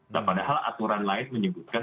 dan padahal aturan lain menyebutkan